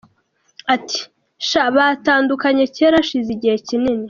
Ati “Sha batandukanye kera, hashize igihe kinini.